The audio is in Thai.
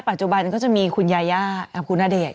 จุบันก็จะมีคุณยาย่าคุณณเดชน